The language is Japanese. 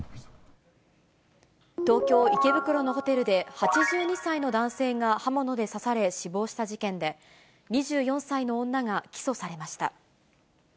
東京・池袋のホテルで８２歳の男性が刃物で刺され、死亡した事件で、２４歳の女が起訴されました。